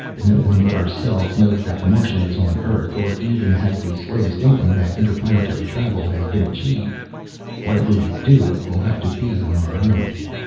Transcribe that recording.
"No one but ourselves knows that the Martian is on Earth, or has even the slightest inkling that interplanetary travel has been achieved. Whatever we do, it will have to be on our own.